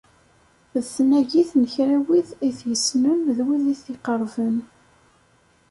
D tnagit n kra seg wid i t-yessnen d wid i t-iqerben.